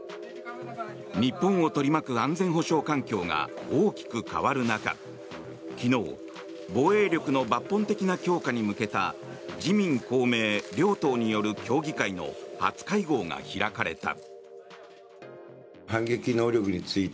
日本を取り巻く安全保障環境が大きく変わる中昨日防衛力の抜本的な強化に向けた自民・公明両党による協議会の初会合が開かれた。